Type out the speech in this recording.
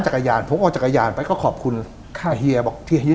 จักรยานผมเอาจักรยานไปก็ขอบคุณค่ะเฮียบอกเฮีย